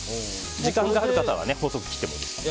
時間がある方は細く切ってもいいですね。